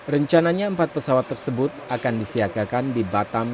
rencananya empat pesawat tersebut akan disiagakan di batam